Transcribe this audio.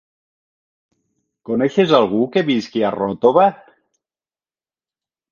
Coneixes algú que visqui a Ròtova?